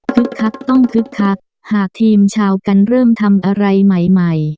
คักต้องคึกคักหากทีมชาวกันเริ่มทำอะไรใหม่ใหม่